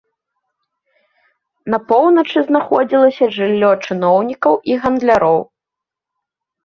На поўначы знаходзілася жыллё чыноўнікаў і гандляроў.